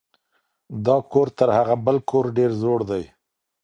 دا کور تر هغه بل کور ډېر زوړ دی.